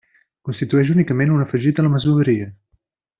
Constitueix únicament un afegit a la masoveria.